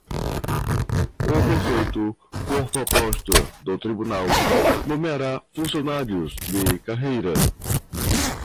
O prefeito, por proposta do Tribunal, nomeará funcionários de carreira.